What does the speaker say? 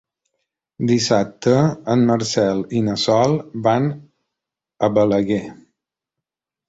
Dissabte en Marcel i na Sol van a Balaguer.